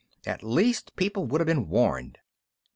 At least people would have been warned."